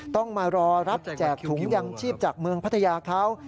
ต้องมารอรับแจกถุงยังชีพจากเมืองพัทยาเขา